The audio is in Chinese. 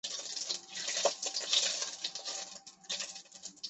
该文物保护单位由吉林市公用事业管理局管理。